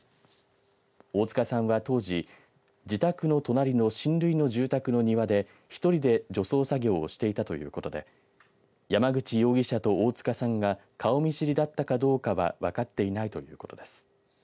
大塚さんは当時自宅の隣の親類の住宅の庭で１人で除草作業をしていたということで山口容疑者と大塚さんが顔見知りだったかどうかは分かっていないということです。